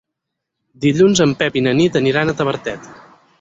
Dilluns en Pep i na Nit aniran a Tavertet.